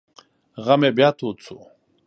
غم یې بیا تود شو.